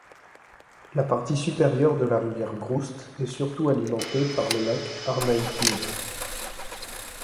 La partie supérieure de la rivière Groust est surtout alimenté par le lac Arnaituuvik.